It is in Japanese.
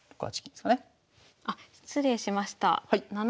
はい失礼しました。